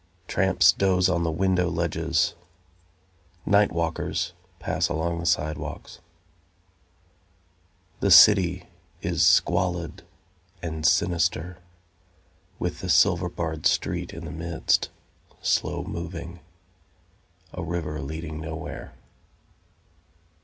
Tramps doze on the window ledges, Night walkers pass along the sidewalks. The city is squalid and sinister, With the silver barred street in the midst, Slow moving, A river leading nowhere.